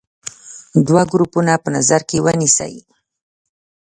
دوه ګروپونه په نظر کې ونیسئ.